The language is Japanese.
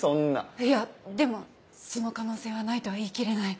いやでもその可能性はないとは言い切れない。